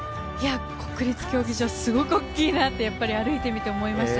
国立競技場はすごく大きいなと歩いてみて思いました。